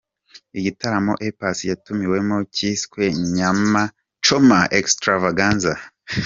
Igitaramo A Pass yatumiwemo cyiswe Nyama Choma Extravaganza.